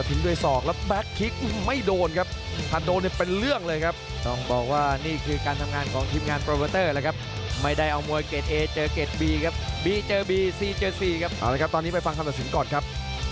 ตอนนี้ไปฟังคำถอดสินก่อนครับ